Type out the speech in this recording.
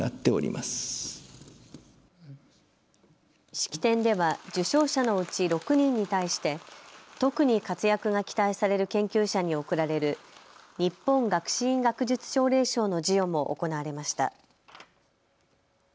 式典では受賞者のうち６人に対して特に活躍が期待される研究者に贈られる日本学士院学術奨励賞の授与も行われました。